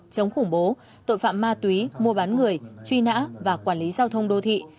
chống khủng bố tội phạm ma túy mua bán người truy nã và quản lý giao thông đô thị